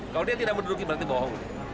kalau dia tidak menduduki berarti bohong